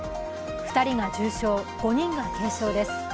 ２人が重傷、５人が軽傷です。